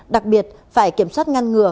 đặc biệt phải kiểm soát ngăn ngừa